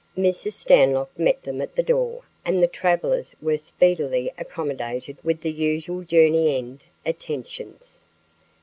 Mrs. Stanlock met them at the door and the travelers were speedily accommodated with the usual journey end attentions.